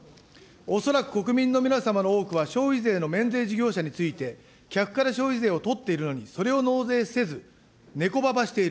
恐らく国民の皆様の多くは、消費税の免税事業者について、客から消費税を取っているのに、それを納税せず、ねこばばしている。